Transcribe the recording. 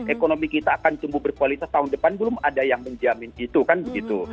ekonomi kita akan tumbuh berkualitas tahun depan belum ada yang menjamin itu kan begitu